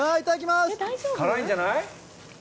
辛いんじゃない？